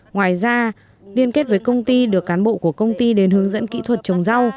ngoài ra liên kết với công ty được cán bộ của công ty đến hướng dẫn kỹ thuật trồng rau